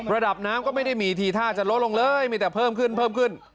ระดับน้ำก็ไม่ได้มีทีท่าจะลดลงเลยมีแต่เพิ่มขึ้นเพิ่มขึ้น